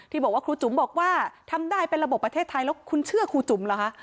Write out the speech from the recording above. บอกว่าครูจุ๋มบอกว่าทำได้เป็นระบบประเทศไทยแล้วคุณเชื่อครูจุ๋มเหรอคะ